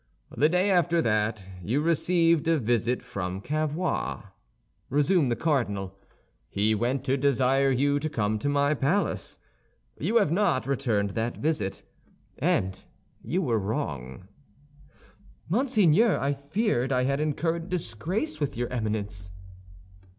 "The day after that, you received a visit from Cavois," resumed the cardinal. "He went to desire you to come to the palace. You have not returned that visit, and you were wrong." "Monseigneur, I feared I had incurred disgrace with your Eminence."